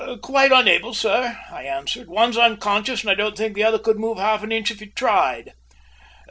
"Quite unable, sir," I answered. "One's unconscious, and I don't think the other could move an inch if he tried!"